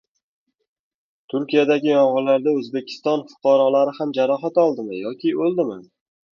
Turkiyadagi yong‘inlarda O‘zbekiston fuqarolari ham jarohat oldimi yoki o‘ldimi?